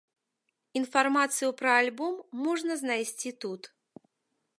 Інфармацыю пра альбом можна знайсці тут.